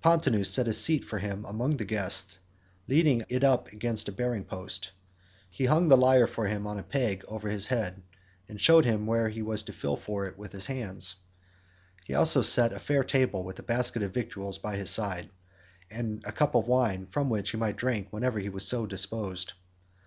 Pontonous set a seat for him among the guests, leaning it up against a bearing post. He hung the lyre for him on a peg over his head, and showed him where he was to feel for it with his hands. He also set a fair table with a basket of victuals by his side, and a cup of wine from which he might drink whenever he was so disposed.